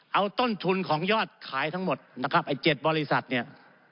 เอาต้นทุนของยอดขายทั้งหมดนะครับไอ้๗บริษัทเนี่ย